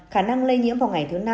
khả năng lây nhiễm vào ngày thứ năm